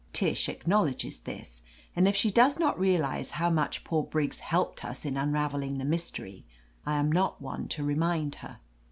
Tish acknowledges this, and if she does not realize how much poor Briggs helped us in un raveling the mystery, I am not one to remind her.